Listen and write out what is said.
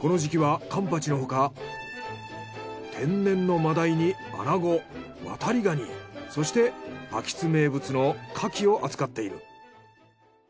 この時期はカンパチのほか天然の真鯛にアナゴワタリガニそして安芸津名物のカキを扱っている。